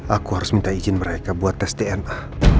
aku harus minta izin mereka buat tes dna